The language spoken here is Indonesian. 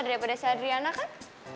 daripada si adriana kan